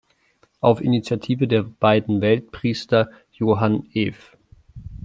Auf Initiative der beiden Weltpriester Johann Ev.